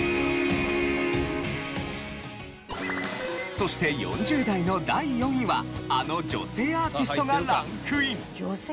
そして４０代の第４位はあの女性アーティストがランクイン。